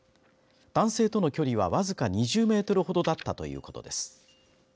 男性との距離は僅か２０メートルほどだったということです。